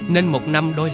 nên một năm đôi lần